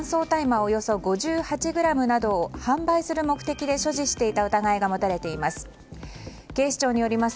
およそ５８ｇなどを販売する目的で所持していた疑いが持たれています。